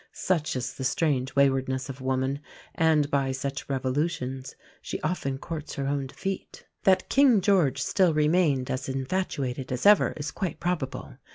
Such is the strange waywardness of woman; and by such revolutions she often courts her own defeat. That King George still remained as infatuated as ever is quite probable.